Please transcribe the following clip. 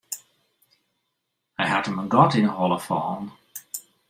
Hy hat him in gat yn 'e holle fallen.